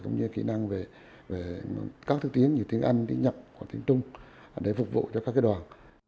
cũng như kỹ năng về các thứ tiếng như tiếng anh tiếng nhật quảng tiếng trung để phục vụ cho các đoàn